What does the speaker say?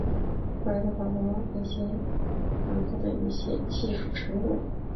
后来的法国一些装甲战斗车辆也利用了这款坦克的一些技术成果。